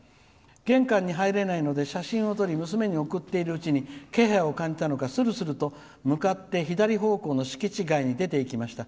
玄関に入れないので写真を撮り娘に送っているうちに気配を感じたのかするすると向かって左方向の敷地外に出ていきました。